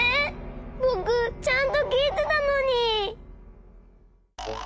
ぼくちゃんときいてたのに。